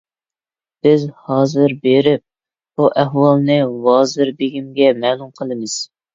بىز ھازىر بېرىپ، بۇ ئەھۋالنى ۋازىر بېگىمگە مەلۇم قىلىمىز.